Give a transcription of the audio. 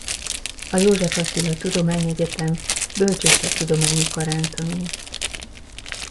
A József Attila Tudományegyetem Bölcsészettudományi Karán tanult.